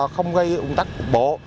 không gây ủng tắc cuộc bộ